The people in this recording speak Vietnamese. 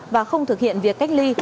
và không thực hiện việc cách ly